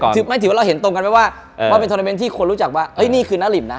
ถือว่าเราเห็นตรงกันไหมว่าว่าเป็นทวรรณ์ที่คนรู้จักว่านี่คือนาลิ่มนะ